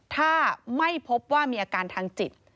ถ้าไม่พบว่ามีอาการทางจิต